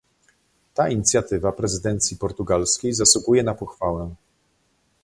Ta inicjatywa prezydencji portugalskiej zasługuje na pochwałę